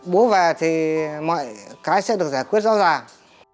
bố về thì mọi cái sẽ được giải quyết rõ ràng